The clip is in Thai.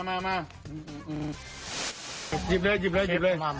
มามาหยิบเลยหยิบเลยหยิบเลย